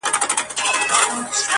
د مظلوم چیغي چا نه سوای اورېدلای؛